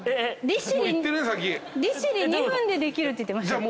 利尻２分でできるって言ってましたよ。